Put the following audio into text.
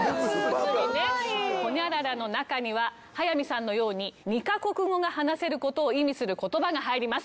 すごい！ホニャララの中には早見さんのように２カ国語が話せる事を意味する言葉が入ります。